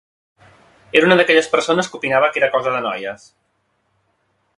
Era una d'aquelles persones que opinava que era cosa de noies.